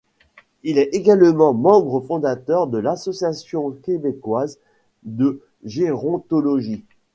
Il est également membre fondateur de l'Association québécoise de gérontologie.